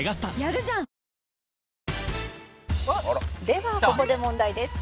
「ではここで問題です」